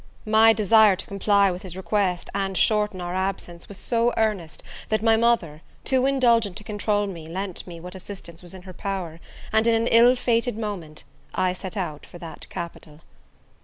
My desire to comply with his request, and shorten our absence, was so earnest, that my mother, too indulgent to control me lent me what assistance was in her power, and, in an ill fated moment, I set out for that capital.